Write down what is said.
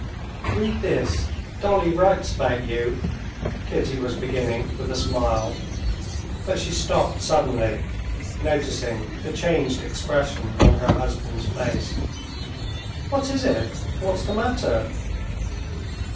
"Read this; Dolly writes about you," Kitty was beginning, with a smile; but she stopped suddenly, noticing the changed expression on her husband's face. "What is it? What's the matter?"